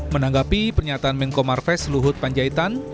menanggapi pernyataan menko marves luhut panjaitan